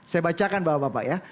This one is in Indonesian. saya bacakan bapak bapak ya